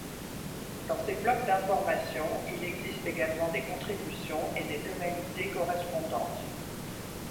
Dans ces blocs d'information, il existe également des contributions et des tonalités correspondantes.